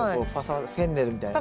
フェンネルみたいなね。